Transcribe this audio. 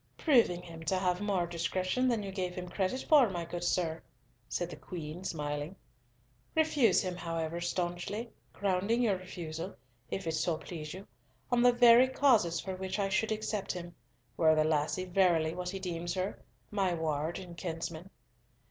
"Proving him to have more discretion than you gave him credit for, my good sir," said the Queen, smiling. "Refuse him, however, staunchly, grounding your refusal, if it so please you, on the very causes for which I should accept him, were the lassie verily what he deems her, my ward and kinswoman.